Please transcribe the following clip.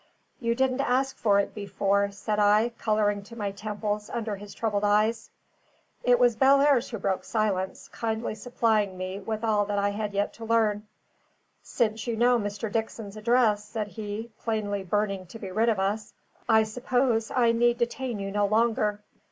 "You didn't ask for it before," said I, colouring to my temples under his troubled eyes. It was Bellairs who broke silence, kindly supplying me with all that I had yet to learn. "Since you know Mr. Dickson's address," said he, plainly burning to be rid of us, "I suppose I need detain you no longer."